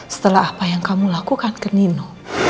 setelah apa yang kamu lakukan ke nino